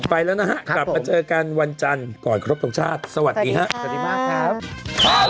ไปแล้วนะครับกลับมาเจอกันวันจันทร์ก่อนครบตกชาติสวัสดีครับ